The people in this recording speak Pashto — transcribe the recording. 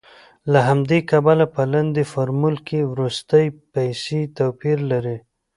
له همدې کبله په لاندې فورمول کې وروستۍ پیسې توپیر لري